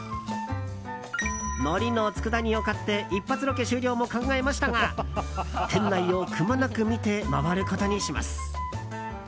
のりのつくだ煮を買って一発ロケ終了も考えましたが店内をくまなく見て回ることにします。